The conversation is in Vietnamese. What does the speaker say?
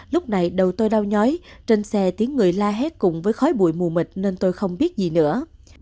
lúc này đầu tôi đau nhói trên xe tiếng người la hét cùng với khói bụi mù mịt nên tôi không biết gì nữa